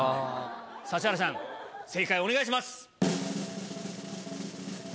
指原さん正解をお願いします。